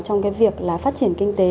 trong cái việc là phát triển kinh tế